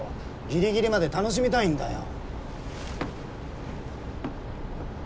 ギリギリまで楽しみたいんだよ。